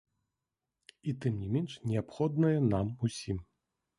І тым не менш неабходнае нам усім.